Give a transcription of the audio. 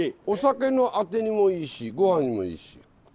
お酒のあてにもいいし御飯にもいいし。